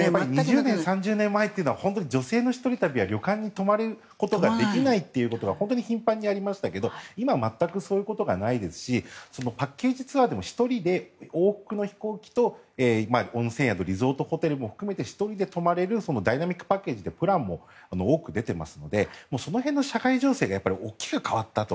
２０年、３０年前というのは女性の一人旅は旅館に泊まることができないということが本当に頻繁にありましたけど今は全くそういうことがないですしパッケージツアーも１人で往復の飛行機と温泉宿、リゾートホテルも含めて１人で泊まれるダイナミックパッケージというプランも多く出ていますのでその辺の社会情勢が大きく変わったと。